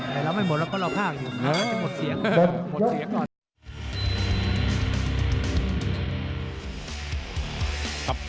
แต่เราไม่หมดเราก็รอภาคอยู่มันจะหมดเสียก่อน